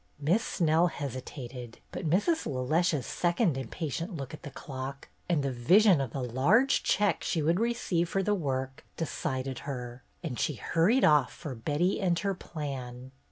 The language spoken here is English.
Miss Snell hesitated, but Mrs. LeLeche's second impatient look at the clock, and the vision of the large check she would receive for the work, decided her, and she hurried off for Betty and her plan.